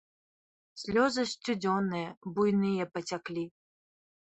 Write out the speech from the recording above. Слёзы сцюдзёныя, буйныя пацяклі.